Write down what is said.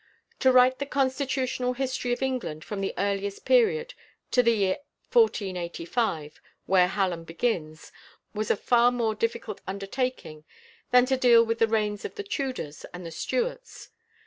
To write the constitutional history of England from the earliest period to the year 1485, where Hallam begins, was a far more difficult undertaking than to deal with the reigns of the Tudors and the Stuarts.